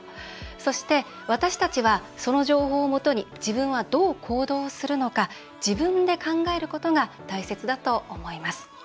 そして、私たちはその情報をもとに自分は、どう行動するのか自分で考えることが大切だと思います。